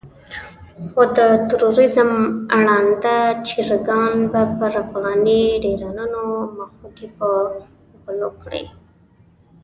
خو د تروريزم ړانده چرګان به پر افغاني ډيرانونو مښوکې په غولو لړي.